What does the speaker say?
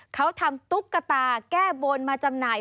เขาทำตุ๊กตาแก้บนมาจำหน่าย